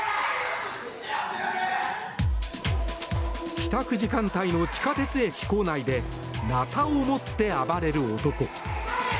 帰宅時間帯の地下鉄駅構内でナタを持って暴れる男。